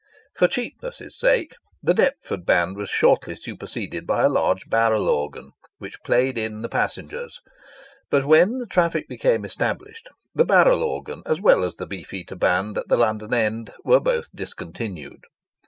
For cheapness' sake the Deptford band was shortly superseded by a large barrel organ, which played in the passengers; but, when the traffic became established, the barrel organ, as well as the beef eater band at the London end, were both discontinued.